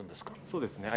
そうですね。